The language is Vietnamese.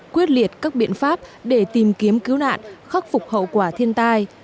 quyết liệt các biện pháp để tìm kiếm cứu nạn khắc phục hậu quả thiên tai